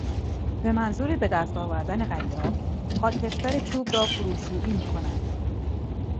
به منظور بهدست آوردن قلیاب خاکستر چوب را فروشویی میکنند.